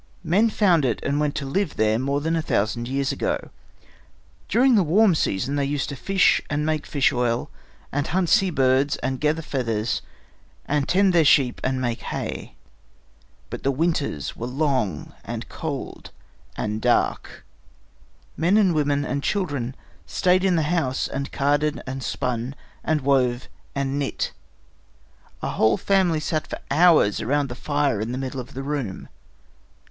Men found it and went there to live more than a thousand years ago. During the warm season they used to fish and make fish oil and hunt sea birds and gather feathers and tend their sheep and make hay. But the winters were long and dark and cold. Men and women and children stayed in the house and carded and spun and wove and knit. A whole family sat for hours around the fire in the middle of the room.